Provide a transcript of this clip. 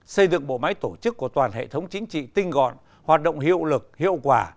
xây dựng bộ máy tổ chức của toàn hệ thống chính trị tinh gọn hoạt động hiệu lực hiệu quả